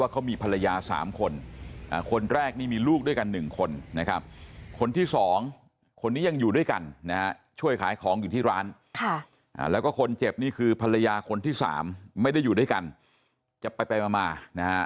ก็ไม่ค่อยบ่อยเท่าไรน่ะ